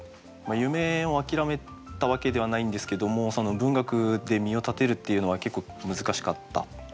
夢を諦めたわけではないんですけどもその文学で身を立てるっていうのは結構難しかった。